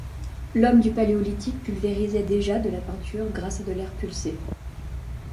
L'Homme du Paléolithique pulvérisait déjà de la peinture grâce à de l'air pulsé.